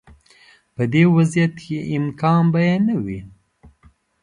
په دې وضعیت کې امکان به یې نه وي.